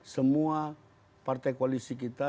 semua partai koalisi kita